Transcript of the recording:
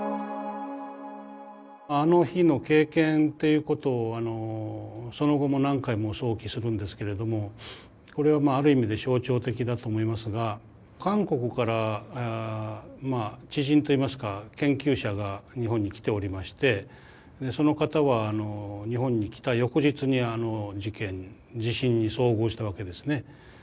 あの日の経験っていうことをその後も何回も想起するんですけれどもこれはまあある意味で象徴的だと思いますが韓国から知人といいますか研究者が日本に来ておりましてその方は日本に来た翌日に地震に遭遇したわけですね。